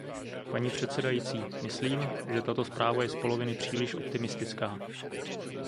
Paní předsedající, myslím, že tato zpráva je zpoloviny příliš optimistická.